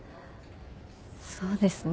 そうですね。